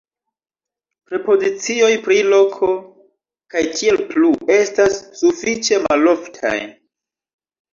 Prepozicioj pri loko ktp estas sufiĉe maloftaj.